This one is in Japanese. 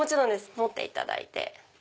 持っていただいて。